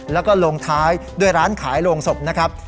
แล้วก็ลงท้ายด้วยร้านขายโรงศพนะครับ